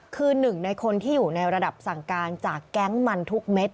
คือหนึ่งในคนที่อยู่ในระดับสั่งการจากแก๊งมันทุกเม็ด